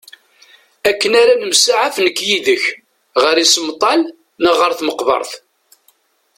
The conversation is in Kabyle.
Akken ara nemsaɛaf nekk yid-k ɣer isemṭal neɣ ɣer tmeqbert.